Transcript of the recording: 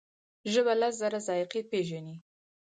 ژبه لس زره ذایقې پېژني.